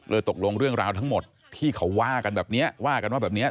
ตกลงเรื่องราวทั้งหมดที่เขาว่ากันแบบนี้ว่ากันว่าแบบเนี้ย